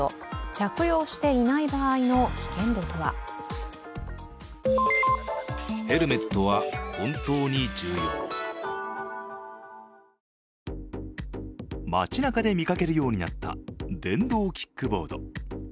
着用していない場合の危険度とは街なかで見かけるようになった電動キックボード。